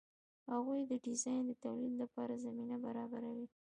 هغوی د ډیزاین د تولید لپاره زمینه برابروي.